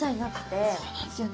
あっそうなんですよね。